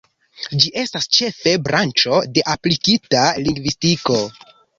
Ĝi estas ĉefe branĉo de aplikita lingvistiko.